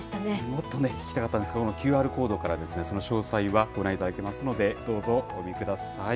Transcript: もっと聞きたかったんですけれども、ＱＲコードから、その詳細はご覧いただけますので、どうぞご覧ください。